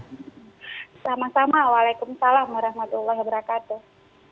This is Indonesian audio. sama sama waalaikumsalam warahmatullahi wabarakatuh